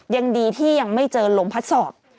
ยังดีที่ยังไม่เจอลมพัดสอบ